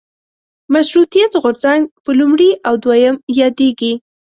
مشروطیت غورځنګ په لومړي او دویم یادېږي.